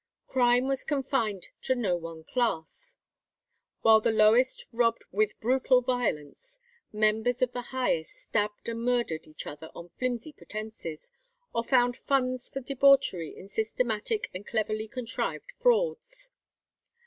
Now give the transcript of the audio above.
Crime was confined to no one class; while the lowest robbed with brutal violence, members of the highest stabbed and murdered each other on flimsy pretences, or found funds for debauchery in systematic and cleverly contrived frauds.